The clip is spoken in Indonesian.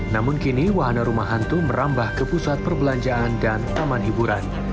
namun kini wahana rumah hantu merambah ke pusat perbelanjaan dan taman hiburan